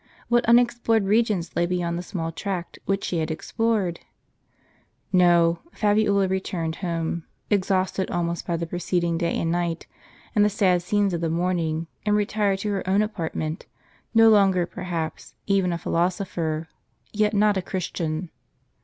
What unexplored regions lay beyond the small tract which she had explored ! No ; Fabiola returned home, exhausted almost by the pre ceding day and night, and the sad scenes of the morning, and retired to her own apartment, no longer perhaps even a phil osopher, yet not a Christian.